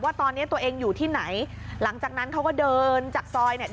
ตอนเนี้ยตัวเองอยู่ที่ไหนหลังจากนั้นเขาก็เดินจากซอยเนี่ย